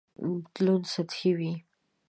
بدلون سطحي وي.